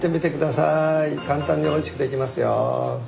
簡単においしくできますよ。